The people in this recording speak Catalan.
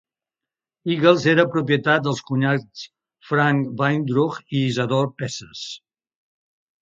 Eagle's era propietat dels cunyats Frank Weindruch i Isadore Pesses.